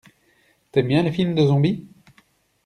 T'aimes bien les films de zombies?